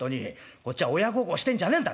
こっちは親孝行してんじゃねえんだ。